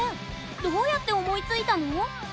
どうやって思いついたの？